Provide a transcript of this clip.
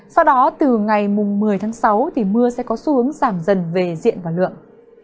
sau đó từ ngày một mươi tháng sáu mưa sẽ có xu hướng giảm dần về diện và lượng